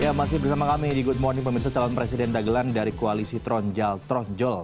ya masih bersama kami di good morning pemirsa calon presiden dagelan dari koalisi tronjol tronjol